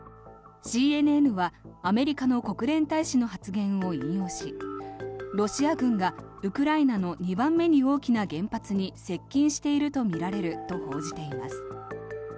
ＣＮＮはアメリカの国連大使の発言を引用しロシア軍が、ウクライナの２番目に大きな原発に接近しているとみられると報じています。